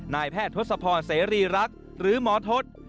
นายแพทย์ทศพรเสรีรักษ์หรือหมอทศ